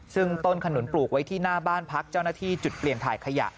ซึ่งต้นขนุนปลูกไว้ที่หน้าบ้านพักเจ้าหน้าที่จุดเปลี่ยนถ่ายขยะ